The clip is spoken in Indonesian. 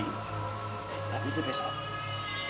tapi itu besok